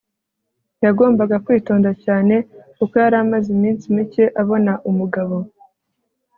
yagombaga kwitonda cyane kuko yari amaze iminsi mike abona umugabo